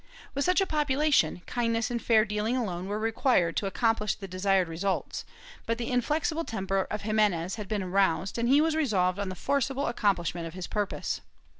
With such a population, kindness and fair dealing alone were required to accomplish the desired result, but the inflexible temper of Ximenes had been aroused, and he was resolved on the forcible accomplishment of his purpose.